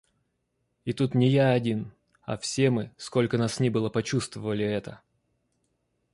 И тут не я один, а все мы, сколько нас ни было, почувствовали это.